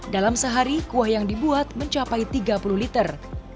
dalam sehari kuah yang dibuat mencapai tiga puluh liter